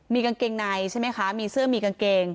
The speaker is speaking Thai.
มีกางเกงในใช่ไหมคะมีเสื้อมีกางเกง